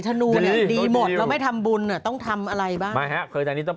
ธนูร์เนี้ยดีหมดเราไม่ทำบุญน่ะต้องทำอะไรบ้างไม่ฮะคืออันนี้ต้อง